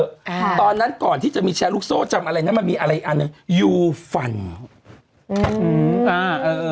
อ่าตอนนั้นก่อนที่จะมีแชร์ลูกโซ่จำอะไรนะมันมีอะไรอีกอันหนึ่งยูฟันอืมอ่าเออ